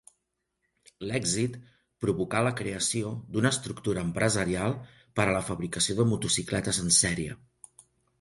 L'èxit provocà la creació d'una estructura empresarial per a la fabricació de motocicletes en sèrie.